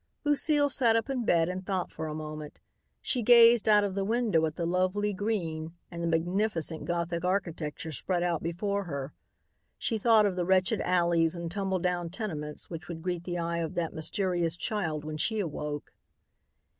Lucile sat up in bed and thought for a moment. She gazed out of the window at the lovely green and the magnificent Gothic architecture spread out before her. She thought of the wretched alleys and tumble down tenements which would greet the eye of that mysterious child when she awoke.